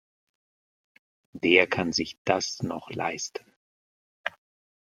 Wer kann sich das noch leisten?